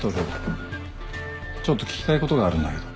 ちょっと聞きたいことがあるんだけど。